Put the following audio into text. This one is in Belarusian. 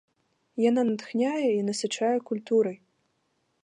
Яна натхняе і насычае культурай.